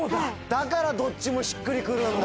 だからどっちもしっくりくるんだ。